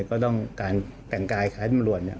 ก็ต้องการแต่งกายคล้ายตำรวจเนี่ย